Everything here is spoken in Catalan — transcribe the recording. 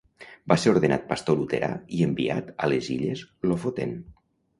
Va ser ordenat pastor luterà i enviat a les illes Lofoten.